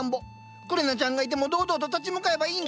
くれなちゃんがいても堂々と立ち向かえばいいんだ！